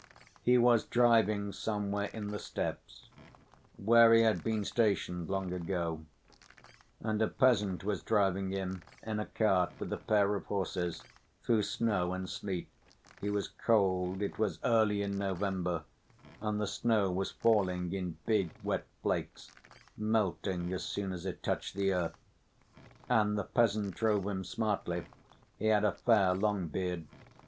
He was driving somewhere in the steppes, where he had been stationed long ago, and a peasant was driving him in a cart with a pair of horses, through snow and sleet. He was cold, it was early in November, and the snow was falling in big wet flakes, melting as soon as it touched the earth. And the peasant drove him smartly, he had a fair, long beard.